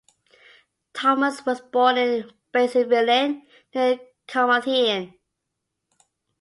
Thomas was born in Bancyfelin, near Carmarthen.